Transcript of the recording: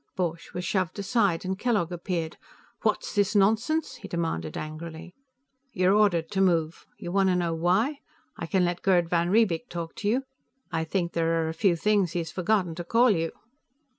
Borch was shoved aside, and Kellogg appeared. "What's this nonsense?" he demanded angrily. "You're ordered to move. You want to know why? I can let Gerd van Riebeek talk to you; I think there are a few things he's forgotten to call you."